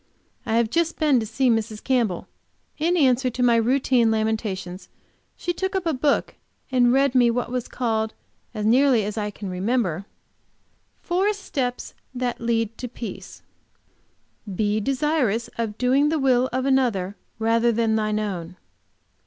I have just been to see Mrs. Campbell. In answer to my routine of lamentations, she took up a book and read me what was called, as nearly as I can remember, "Four steps that lead to peace." "Be desirous of doing the will of another rather than thine own."